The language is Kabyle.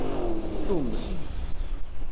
Summ.